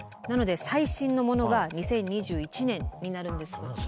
なので最新のものが２０２１年になるんですが。